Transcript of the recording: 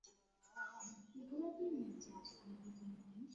কিন্তু মানুষ আমরা কেবল মানব-প্রকৃতির মধ্য দিয়াই তাঁহাকে দর্শন করিতে পারি।